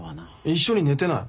一緒に寝てない。